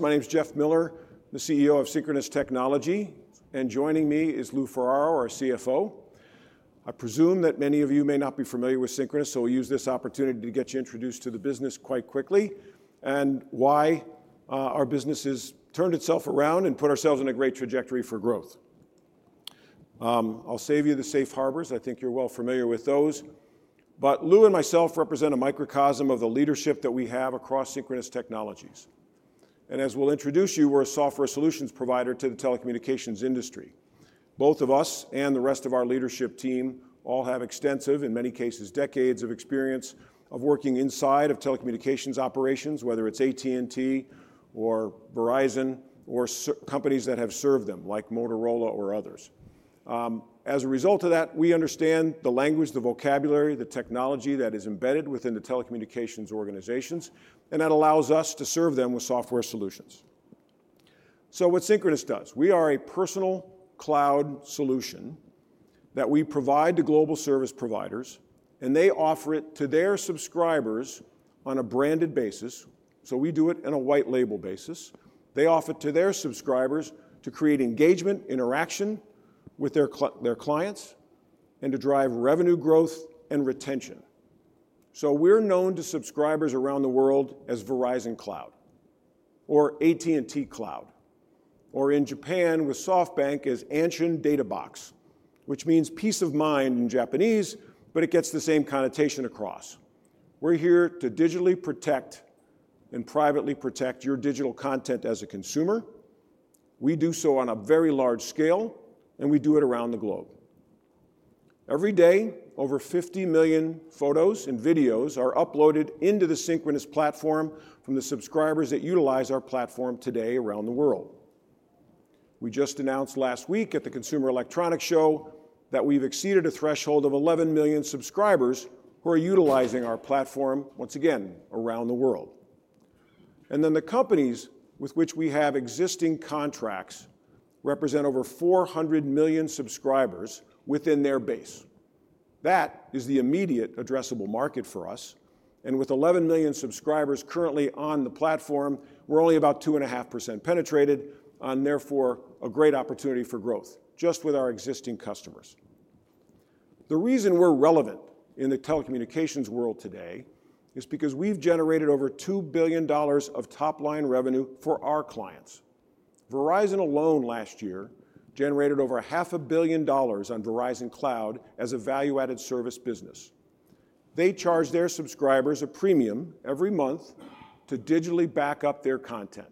My name is Jeff Miller, the CEO of Synchronoss Technologies, and joining me is Lou Ferraro, our CFO. I presume that many of you may not be familiar with Synchronoss, so we'll use this opportunity to get you introduced to the business quite quickly and why our business has turned itself around and put ourselves on a great trajectory for growth. I'll save you the safe harbors. I think you're well familiar with those, but Lou and myself represent a microcosm of the leadership that we have across Synchronoss Technologies, and as we'll introduce you, we're a software solutions provider to the telecommunications industry. Both of us and the rest of our leadership team all have extensive, in many cases, decades of experience of working inside of telecommunications operations, whether it's AT&T or Verizon or companies that have served them, like Motorola or others. As a result of that, we understand the language, the vocabulary, the technology that is embedded within the telecommunications organizations, and that allows us to serve them with software solutions, so what Synchronoss does, we are a personal cloud solution that we provide to global service providers, and they offer it to their subscribers on a branded basis, so we do it on a white label basis. They offer it to their subscribers to create engagement, interaction with their clients, and to drive revenue growth and retention, so we're known to subscribers around the world as Verizon Cloud or AT&T Cloud, or in Japan with SoftBank as Anshin Data Box, which means peace of mind in Japanese, but it gets the same connotation across. We're here to digitally protect and privately protect your digital content as a consumer. We do so on a very large scale, and we do it around the globe. Every day, over 50 million photos and videos are uploaded into the Synchronoss platform from the subscribers that utilize our platform today around the world. We just announced last week at the Consumer Electronics Show that we've exceeded a threshold of 11 million subscribers who are utilizing our platform, once again, around the world, and then the companies with which we have existing contracts represent over 400 million subscribers within their base. That is the immediate addressable market for us, and with 11 million subscribers currently on the platform, we're only about 2.5% penetrated, and therefore a great opportunity for growth just with our existing customers. The reason we're relevant in the telecommunications world today is because we've generated over $2 billion of top-line revenue for our clients. Verizon alone last year generated over $500 million on Verizon Cloud as a value-added service business. They charge their subscribers a premium every month to digitally back up their content.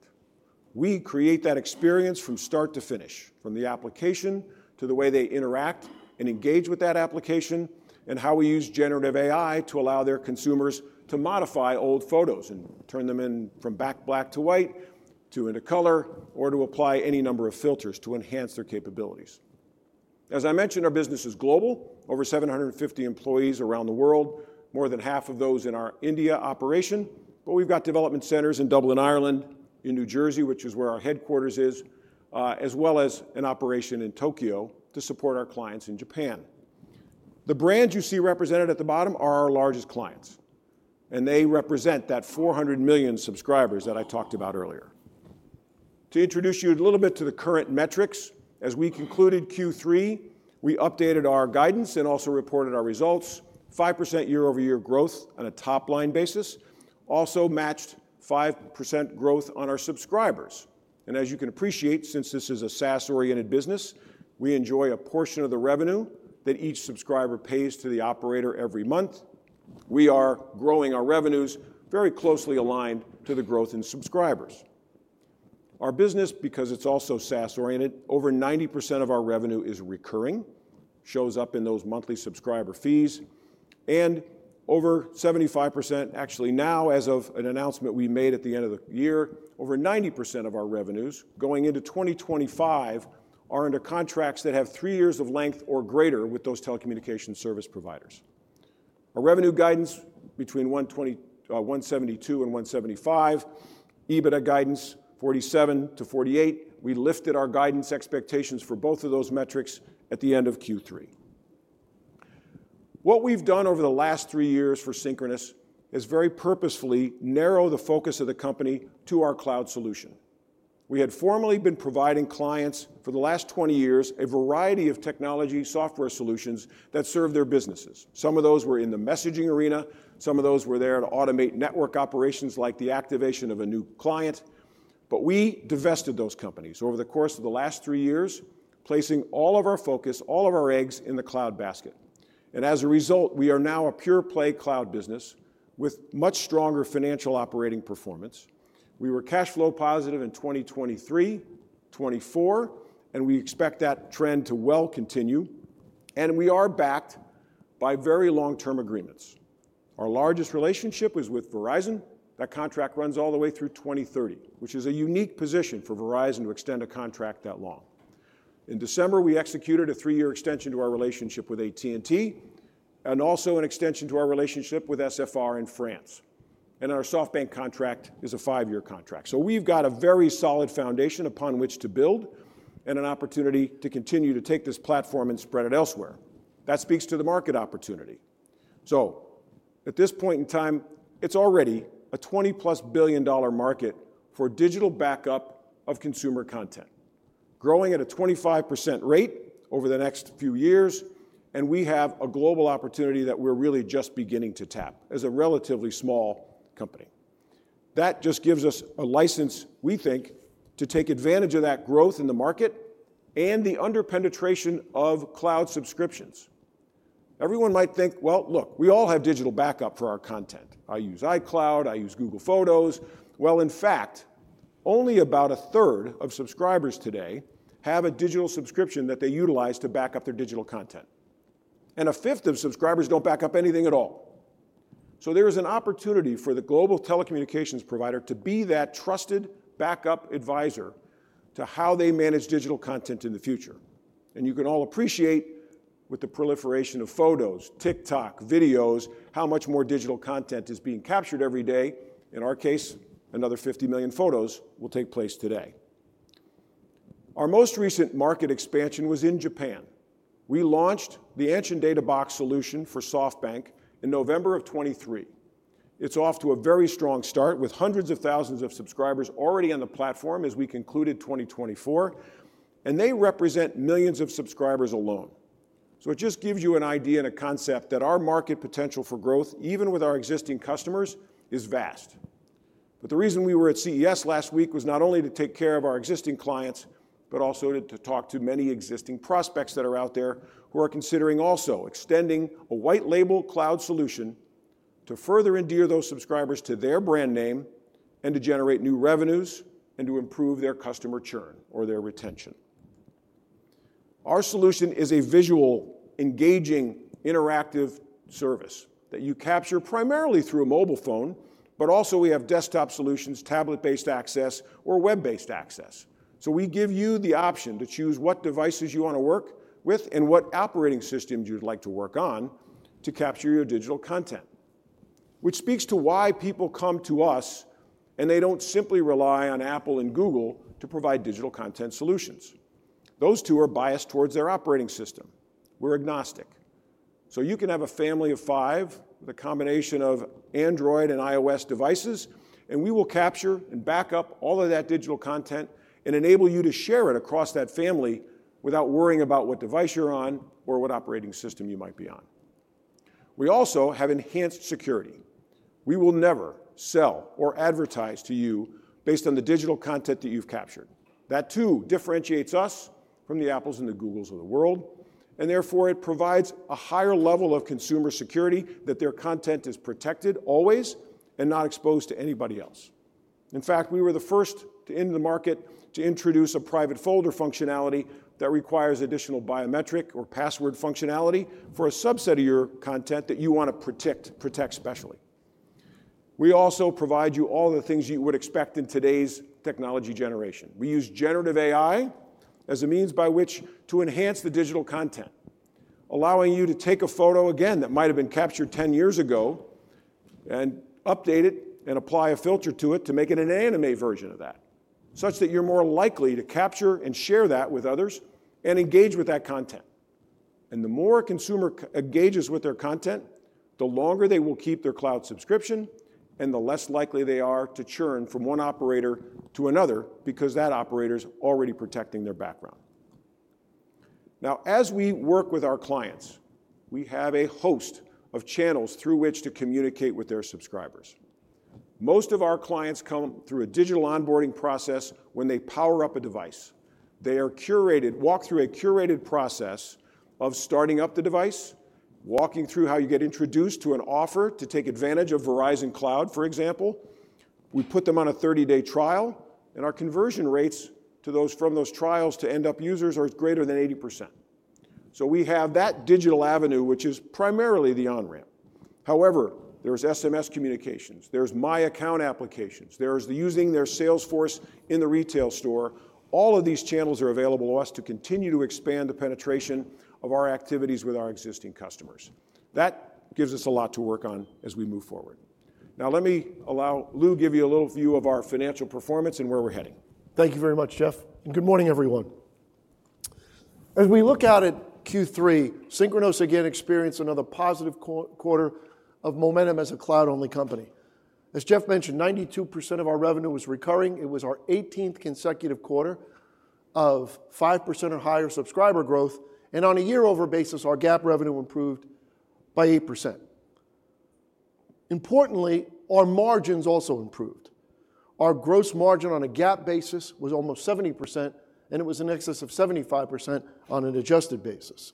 We create that experience from start to finish, from the application to the way they interact and engage with that application and how we use generative AI to allow their consumers to modify old photos and turn them from black and white into color or to apply any number of filters to enhance their capabilities. As I mentioned, our business is global, over 750 employees around the world, more than half of those in our India operation, but we've got development centers in Dublin, Ireland, in New Jersey, which is where our headquarters is, as well as an operation in Tokyo to support our clients in Japan. The brands you see represented at the bottom are our largest clients, and they represent that 400 million subscribers that I talked about earlier. To introduce you a little bit to the current metrics, as we concluded Q3, we updated our guidance and also reported our results: 5% year-over-year growth on a top-line basis, also matched 5% growth on our subscribers, and as you can appreciate, since this is a SaaS-oriented business, we enjoy a portion of the revenue that each subscriber pays to the operator every month. We are growing our revenues very closely aligned to the growth in subscribers. Our business, because it's also SaaS-oriented, over 90% of our revenue is recurring, shows up in those monthly subscriber fees, and over 75%, actually now, as of an announcement we made at the end of the year, over 90% of our revenues going into 2025 are under contracts that have three years of length or greater with those telecommunications service providers. Our revenue guidance between $172 and $175, EBITDA guidance $47-$48, we lifted our guidance expectations for both of those metrics at the end of Q3. What we've done over the last three years for Synchronoss is very purposefully narrow the focus of the company to our cloud solution. We had formerly been providing clients for the last 20 years a variety of technology software solutions that served their businesses. Some of those were in the messaging arena. Some of those were there to automate network operations like the activation of a new client. But we divested those companies over the course of the last three years, placing all of our focus, all of our eggs in the cloud basket. And as a result, we are now a pure-play cloud business with much stronger financial operating performance. We were cash flow positive in 2023, 2024, and we expect that trend to well continue. And we are backed by very long-term agreements. Our largest relationship was with Verizon. That contract runs all the way through 2030, which is a unique position for Verizon to extend a contract that long. In December, we executed a three-year extension to our relationship with AT&T and also an extension to our relationship with SFR in France. And our SoftBank contract is a five-year contract. We've got a very solid foundation upon which to build and an opportunity to continue to take this platform and spread it elsewhere. That speaks to the market opportunity. At this point in time, it's already a $20+ billion market for digital backup of consumer content, growing at a 25% rate over the next few years, and we have a global opportunity that we're really just beginning to tap as a relatively small company. That just gives us a license, we think, to take advantage of that growth in the market and the under-penetration of cloud subscriptions. Everyone might think, "Well, look, we all have digital backup for our content. I use iCloud. I use Google Photos." Well, in fact, only about a third of subscribers today have a digital subscription that they utilize to back up their digital content. A fifth of subscribers don't back up anything at all. There is an opportunity for the global telecommunications provider to be that trusted backup advisor to how they manage digital content in the future. You can all appreciate with the proliferation of photos, TikTok, videos, how much more digital content is being captured every day. In our case, another 50 million photos will take place today. Our most recent market expansion was in Japan. We launched the Anshin Data Box solution for SoftBank in November of 2023. It's off to a very strong start with hundreds of thousands of subscribers already on the platform as we concluded 2024, and they represent millions of subscribers alone. It just gives you an idea and a concept that our market potential for growth, even with our existing customers, is vast. But the reason we were at CES last week was not only to take care of our existing clients, but also to talk to many existing prospects that are out there who are considering also extending a white label cloud solution to further endear those subscribers to their brand name and to generate new revenues and to improve their customer churn or their retention. Our solution is a visual, engaging, interactive service that you capture primarily through a mobile phone, but also we have desktop solutions, tablet-based access, or web-based access. So we give you the option to choose what devices you want to work with and what operating systems you'd like to work on to capture your digital content, which speaks to why people come to us and they don't simply rely on Apple and Google to provide digital content solutions. Those two are biased towards their operating system. We're agnostic. So you can have a family of five with a combination of Android and iOS devices, and we will capture and back up all of that digital content and enable you to share it across that family without worrying about what device you're on or what operating system you might be on. We also have enhanced security. We will never sell or advertise to you based on the digital content that you've captured. That too differentiates us from the Apples and the Googles of the world, and therefore it provides a higher level of consumer security that their content is protected always and not exposed to anybody else. In fact, we were the first to enter the market to introduce a private folder functionality that requires additional biometric or password functionality for a subset of your content that you want to protect specially. We also provide you all the things you would expect in today's technology generation. We use generative AI as a means by which to enhance the digital content, allowing you to take a photo again that might have been captured 10 years ago and update it and apply a filter to it to make it an anime version of that, such that you're more likely to capture and share that with others and engage with that content, and the more a consumer engages with their content, the longer they will keep their cloud subscription, and the less likely they are to churn from one operator to another because that operator is already protecting their background. Now, as we work with our clients, we have a host of channels through which to communicate with their subscribers. Most of our clients come through a digital onboarding process when they power up a device. They are curated, walk through a curated process of starting up the device, walking through how you get introduced to an offer to take advantage of Verizon Cloud, for example. We put them on a 30-day trial, and our conversion rates from those trials to end users are greater than 80%. So we have that digital avenue, which is primarily the on-ramp. However, there's SMS communications, there's My Account applications, there's the using their sales force in the retail store. All of these channels are available to us to continue to expand the penetration of our activities with our existing customers. That gives us a lot to work on as we move forward. Now, let me allow Lou to give you a little view of our financial performance and where we're heading. Thank you very much, Jeff. And good morning, everyone. As we look at it, Q3, Synchronoss again experienced another positive quarter of momentum as a cloud-only company. As Jeff mentioned, 92% of our revenue was recurring. It was our 18th consecutive quarter of 5% or higher subscriber growth. And on a year-over basis, our GAAP revenue improved by 8%. Importantly, our margins also improved. Our gross margin on a GAAP basis was almost 70%, and it was in excess of 75% on an adjusted basis.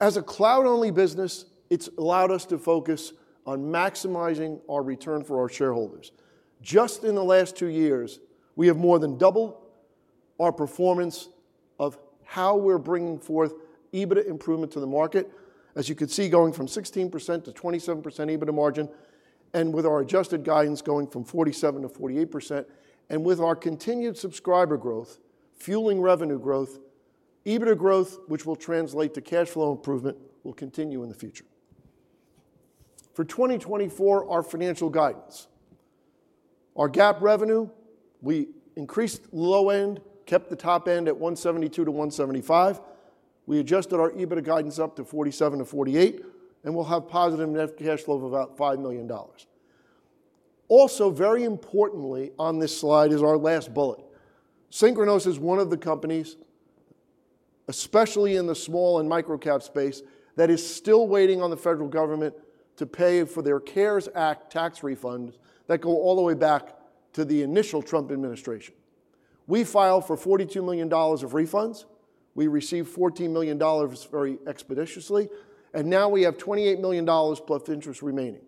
As a cloud-only business, it's allowed us to focus on maximizing our return for our shareholders. Just in the last two years, we have more than doubled our performance of how we're bringing forth EBITDA improvement to the market, as you can see, going from 16% to 27% EBITDA margin, and with our adjusted guidance going from 47% to 48%. With our continued subscriber growth fueling revenue growth, EBITDA growth, which will translate to cash flow improvement, will continue in the future. For 2024, our financial guidance, our GAAP revenue, we increased low end, kept the top end at 172-175. We adjusted our EBITDA guidance up to $47-$48, and we'll have positive net cash flow of about $5 million. Also, very importantly on this slide is our last bullet. Synchronoss is one of the companies, especially in the small and microcap space, that is still waiting on the federal government to pay for their CARES Act tax refunds that go all the way back to the initial Trump administration. We filed for $42 million of refunds. We received $14 million very expeditiously, and now we have $28 million plus interest remaining.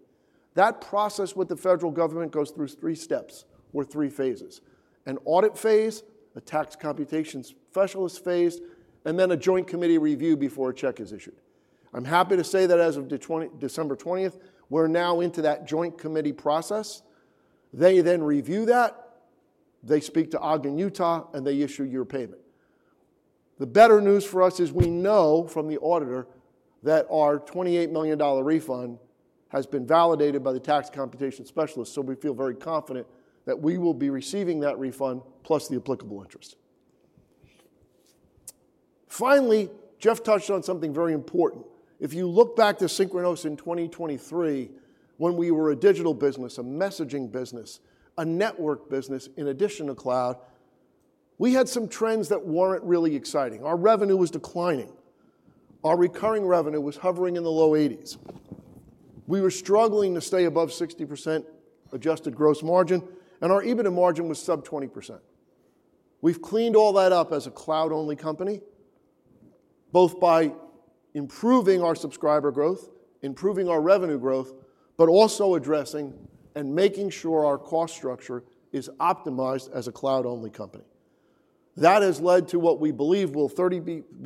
That process with the federal government goes through three steps or three phases: an audit phase, a tax computation specialist phase, and then a Joint Committee review before a check is issued. I'm happy to say that as of December 20th, we're now into that Joint Committee process. They then review that. They speak to Ogden, Utah, and they issue your payment. The better news for us is we know from the auditor that our $28 million refund has been validated by the tax computation specialist, so we feel very confident that we will be receiving that refund plus the applicable interest. Finally, Jeff touched on something very important. If you look back to Synchronoss in 2023, when we were a digital business, a messaging business, a network business, in addition to cloud, we had some trends that weren't really exciting. Our revenue was declining. Our recurring revenue was hovering in the low 80s. We were struggling to stay above 60% adjusted gross margin, and our EBITDA margin was sub 20%. We've cleaned all that up as a cloud-only company, both by improving our subscriber growth, improving our revenue growth, but also addressing and making sure our cost structure is optimized as a cloud-only company. That has led to what we believe will be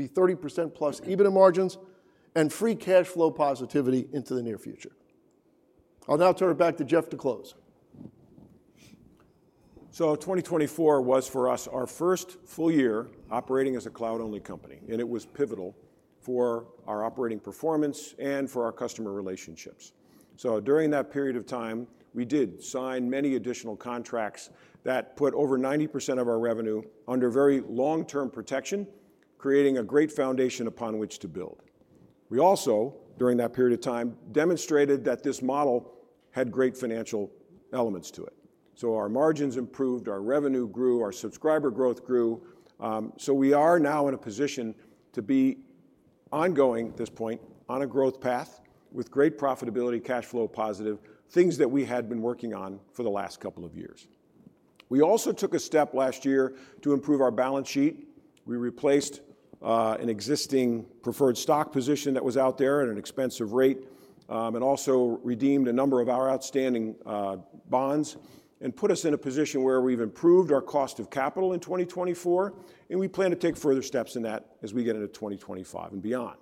30% plus EBITDA margins and free cash flow positivity into the near future. I'll now turn it back to Jeff to close. 2024 was for us our first full year operating as a cloud-only company, and it was pivotal for our operating performance and for our customer relationships. During that period of time, we did sign many additional contracts that put over 90% of our revenue under very long-term protection, creating a great foundation upon which to build. We also, during that period of time, demonstrated that this model had great financial elements to it. Our margins improved, our revenue grew, our subscriber growth grew. We are now in a position to be ongoing at this point on a growth path with great profitability, cash flow positive, things that we had been working on for the last couple of years. We also took a step last year to improve our balance sheet. We replaced an existing preferred stock position that was out there at an expensive rate and also redeemed a number of our outstanding bonds and put us in a position where we've improved our cost of capital in 2024, and we plan to take further steps in that as we get into 2025 and beyond.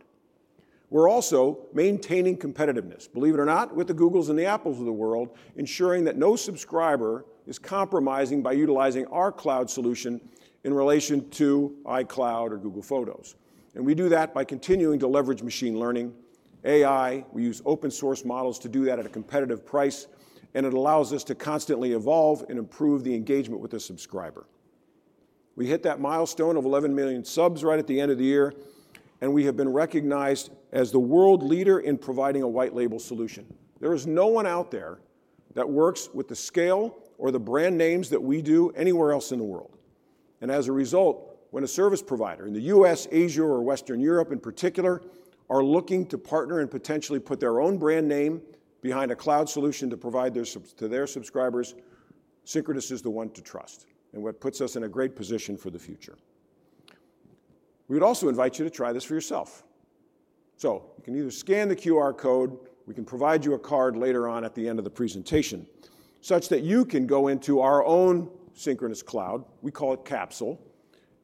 We're also maintaining competitiveness, believe it or not, with the Googles and the Apples of the world, ensuring that no subscriber is compromising by utilizing our cloud solution in relation to iCloud or Google Photos, and we do that by continuing to leverage machine learning, AI. We use open-source models to do that at a competitive price, and it allows us to constantly evolve and improve the engagement with a subscriber. We hit that milestone of 11 million subs right at the end of the year, and we have been recognized as the world leader in providing a white label solution. There is no one out there that works with the scale or the brand names that we do anywhere else in the world, and as a result, when a service provider in the U.S., Asia, or Western Europe in particular are looking to partner and potentially put their own brand name behind a cloud solution to provide to their subscribers, Synchronoss is the one to trust and what puts us in a great position for the future. We would also invite you to try this for yourself, so you can either scan the QR code. We can provide you a card later on at the end of the presentation such that you can go into our own Synchronoss Cloud. We call it Capsule,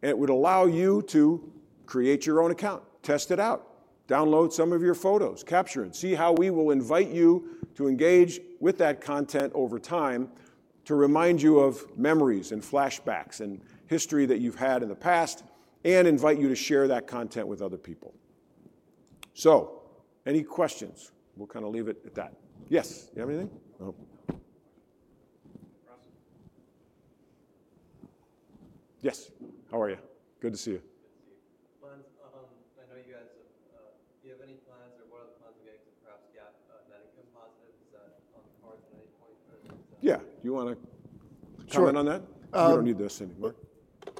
and it would allow you to create your own account, test it out, download some of your photos, capture it, see how we will invite you to engage with that content over time to remind you of memories and flashbacks and history that you've had in the past and invite you to share that content with other people. So any questions? We'll kind of leave it at that. Yes, you have anything? No? Yes. How are you? Good to see you. Plans, I know you guys have. Do you have any plans or what are the plans you're getting to perhaps GAAP net income positive? Is that on the cards at any point? Yeah. Do you want to comment on that? You don't need this anymore.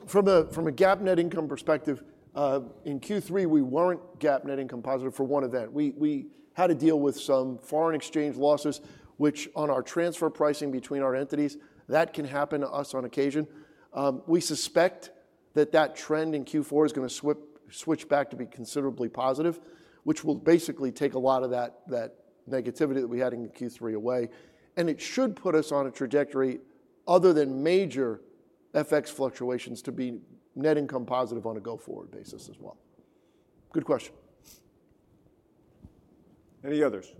From a GAAP net income perspective, in Q3, we weren't GAAP net income positive for one event. We had to deal with some foreign exchange losses, which on our transfer pricing between our entities, that can happen to us on occasion. We suspect that that trend in Q4 is going to switch back to be considerably positive, which will basically take a lot of that negativity that we had in Q3 away. And it should put us on a trajectory, other than major FX fluctuations, to be net income positive on a go-forward basis as well. Good question. Any others?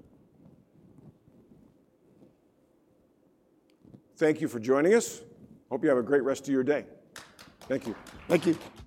Thank you for joining us. Hope you have a great rest of your day. Thank you. Thank you.